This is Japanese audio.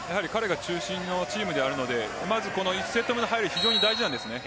彼が中心のチームではあるので１セット目の入り以上に大事なんです。